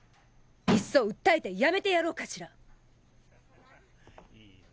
いっそ訴えて辞めてやろうかしら。